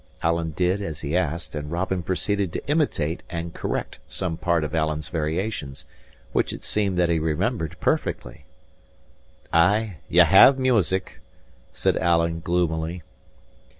Alan did as he asked; and Robin proceeded to imitate and correct some part of Alan's variations, which it seemed that he remembered perfectly. "Ay, ye have music," said Alan, gloomily.